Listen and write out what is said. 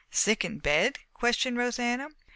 "Sick in bed?" questioned Rosanna.